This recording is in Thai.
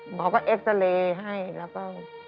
หมอก็เอ็กซาเรย์ให้แล้วก็